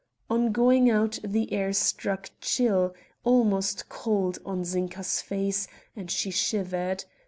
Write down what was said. On going out the air struck' chill, almost cold, on Zinka's face and she shivered.